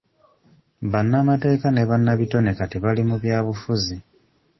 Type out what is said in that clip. Bannakatemba ne bannabitone kati bali mu byabufuzi.